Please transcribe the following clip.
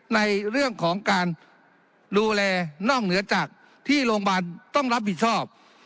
ในเรื่องของการดูแลนอกเหนือจากที่โรงพยาบาลต้องรับผิดชอบ